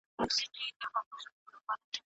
تاریخ باید د پېښو په توګه مطالعه کړو.